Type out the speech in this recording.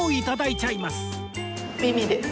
美味です。